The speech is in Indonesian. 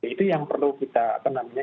itu yang perlu kita apa namanya